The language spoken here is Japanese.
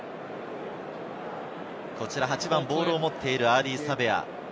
８番、ボールを持っているアーディー・サヴェア。